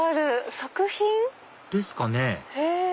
作品？ですかね